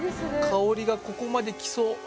香りがここまで来そう。